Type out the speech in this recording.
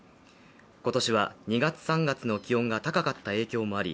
今年は２月、３月の気温が高かった影響もあり